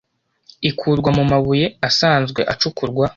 ikurwa mu mabuye asanzwe acukurwa